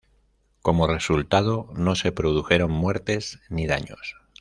Como resultado, no se produjeron muertes ni daños.